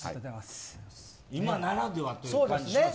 今ならではというか。